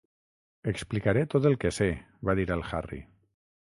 "Explicaré tot el que sé", va dir el Harry.